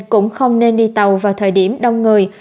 cũng không nên đi tàu vào thời điểm đông người